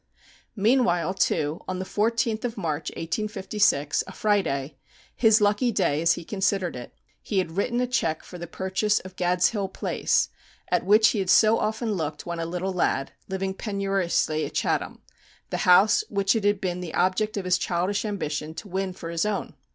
Meanwhile, too, on the 14th of March, 1856, a Friday, his lucky day as he considered it, he had written a cheque for the purchase of Gad's Hill Place, at which he had so often looked when a little lad, living penuriously at Chatham the house which it had been the object of his childish ambition to win for his own.